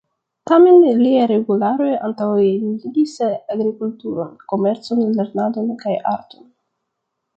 Tamen liaj regularoj antaŭenigis agrikulturon, komercon, lernadon kaj arton.